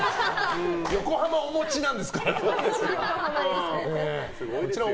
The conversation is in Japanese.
横浜お持ちなんですから。